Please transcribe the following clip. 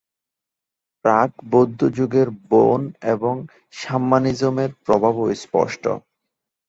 প্রাক-বৌদ্ধ যুগের বোন এবং শামমানিজম-এর প্রভাবও স্পষ্ট।